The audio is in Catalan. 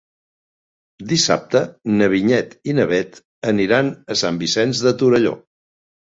Dissabte na Vinyet i na Bet aniran a Sant Vicenç de Torelló.